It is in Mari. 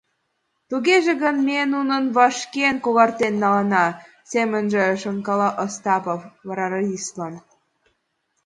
Тыгеже гын, ме нуным вашкен когартен налына», — семынже шонкала Остапов, вара радистлан приказым пуа: